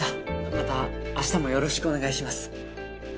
また明日もよろしくお願いします。